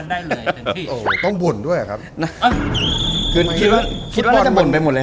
ได้เลยเห็นที่โอ้ยเลยต้องบ่นด้วยหรอครับ